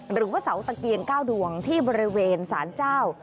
หรือว่าเสาตะเกียง๙ดวงที่บริเวณสารเจ้า